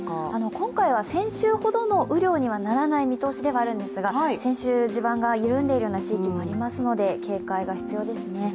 今回は先週ほどの雨量にはならない見通しではあるんですが、先週、地盤が緩んでいるような地域もありますので、警戒が必要ですね。